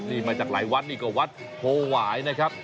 นี่มาจากหลายวัดนี่ก็วัดโพหวายนะครับ